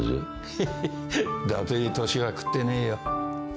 ヘヘッだてに年は食ってねえよ。